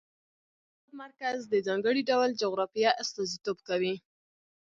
د هېواد مرکز د ځانګړي ډول جغرافیه استازیتوب کوي.